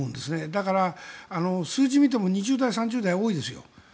だから数字を見ても２０代、３０代多いですよ。